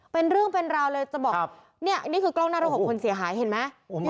เป็นเรื่องเป็นราวเลยจะบอกเนี่ยนี่คือกล้องหน้ารถของคนเสียหายเห็นไหม